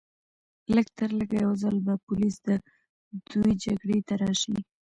لږترلږه یو ځل به پولیس د دوی جګړې ته راشي